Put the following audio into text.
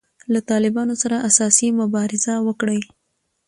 له طالبانو سره اساسي مبارزه وکړي.